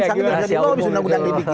sangat bisa di lobis undang undang dibikin